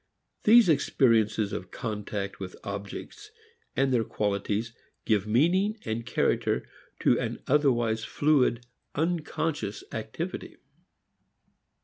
These experiences of contact with objects and their qualities give meaning, character, to an otherwise fluid, unconscious activity.